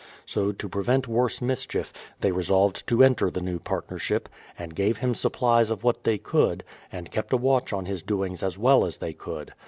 So, to prevent worse mischief, they resolved to enter the new partnership, and gave him sup plies of what they could, and kept a watch on his doings as well as they could.